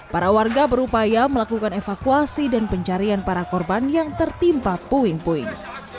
para warga berupaya melakukan evakuasi dan pencarian para korban yang tertimpa puing puing